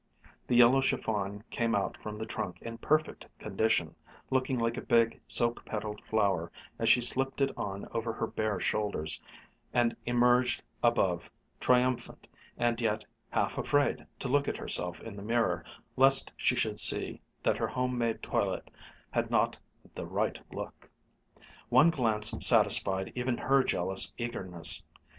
The yellow chiffon came out from the trunk in perfect condition, looking like a big, silk petaled flower as she slipped it on over her bare shoulders, and emerged above, triumphant and yet half afraid to look at herself in the mirror lest she should see that her home made toilet had not "the right look." One glance satisfied even her jealous eagerness.